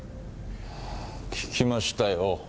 聞きましたよ。